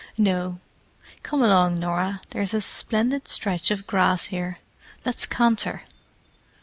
"No. Come along, Norah, there's a splendid stretch of grass here: let's canter!"